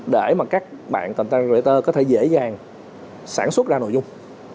để mà các bạn container creator có thể dễ dàng sản xuất ra nội dung